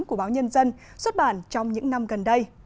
của báo nhân dân xuất bản trong những năm gần đây